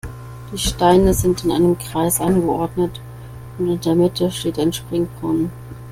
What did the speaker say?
Die Steine sind in einem Kreis angeordnet und in der Mitte steht ein Springbrunnen.